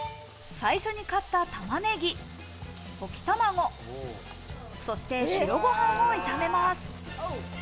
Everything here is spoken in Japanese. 最初に買った玉ねぎ、溶き卵、そして、白ご飯を炒めます。